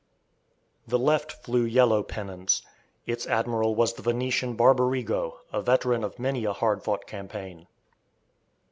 The left flew yellow pennons. Its admiral was the Venetian Barbarigo, a veteran of many a hard fought campaign.